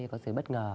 có sự bất ngờ